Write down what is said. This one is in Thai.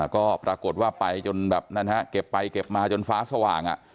ก็ปรากฏว่าไปจนแบบนั้นฮะเก็บไปเก็บมาจนฟ้าสว่าง